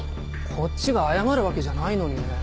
こっちが謝るわけじゃないのにね。